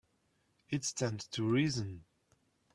It stands to reason.